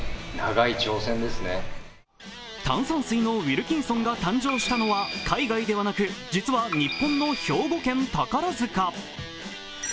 炭酸水のウィルキンソンが誕生したのは海外ではなく、実は日本の兵庫県宝塚。